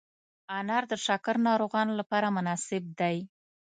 انار د شکر ناروغانو لپاره مناسب دی.